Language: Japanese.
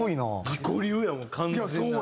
自己流やもん完全なる。